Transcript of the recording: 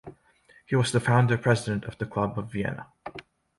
He was the Founder President of the Club of Vienna.